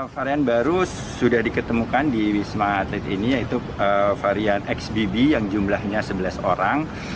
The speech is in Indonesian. varian baru sudah diketemukan di wisma atlet ini yaitu varian xbb yang jumlahnya sebelas orang